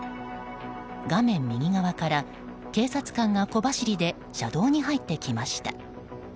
画面右側から、警察官が小走りで車道に入ってきました。